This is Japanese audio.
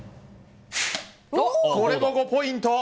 これも５ポイント。